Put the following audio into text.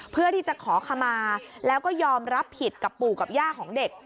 เพื่อที่จะขอขมาแล้วก็ยอมรับผิดกับปู่กับย่าของเด็ก